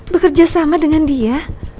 bekerja sama dengan dia